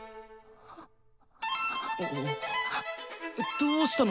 どうしたの！？